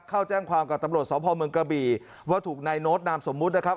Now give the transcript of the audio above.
เข้าแจ้งความกับตำรวจสพเมืองกระบี่ว่าถูกนายโน้ตนามสมมุตินะครับ